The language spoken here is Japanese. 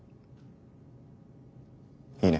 いいね？